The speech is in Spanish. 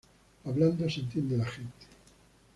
Hablando se entiende la gente